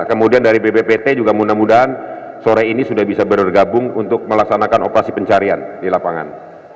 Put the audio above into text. kemudian dari bppt juga mudah mudahan sore ini sudah bisa bergabung untuk melaksanakan operasi pencarian di lapangan